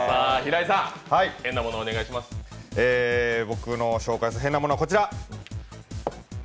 僕の紹介する変なものはこちら。